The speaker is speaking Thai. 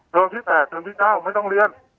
เพราะฉะนั้นเทิมที่๘เทิมที่๙ไม่ต้องเรียน